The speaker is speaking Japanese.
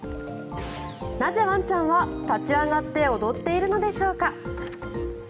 なぜワンちゃんは、立ち上がって踊っているのでしょうか。